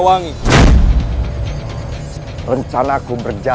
bagi kita adalah sepuluh ventura